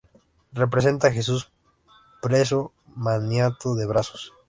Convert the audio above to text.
Representa a Jesús preso, maniatado de brazos.